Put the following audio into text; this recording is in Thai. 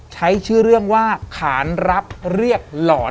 ใช้ชื่อเรื่องว่าขานรับเรียกหลอน